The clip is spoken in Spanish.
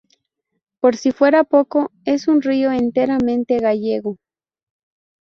Por si fuera poco es un río enteramente gallego.